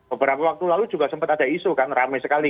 beberapa waktu lalu juga sempat ada isu kan rame sekali